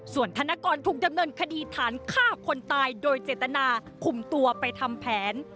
ส่วนธนกรถูกดำเนินคดีฐานฆ่าคนตายโดยเจตนาคุมตัวไปทำแผน